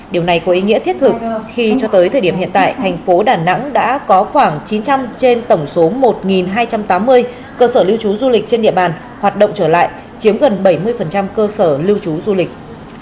điều này có ý nghĩa thiết thực khi cho tới thời điểm hiện tại thành phố đà nẵng đã có khoảng chín trăm linh trên tổng số một hai trăm tám mươi cơ sở lưu trú du lịch trên địa bàn hoạt động trở lại chiếm gần bảy mươi cơ sở lưu trú du lịch